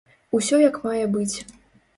Усё як мае быць.